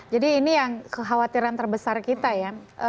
jadi ini yang kekhawatiran terbesar kita ya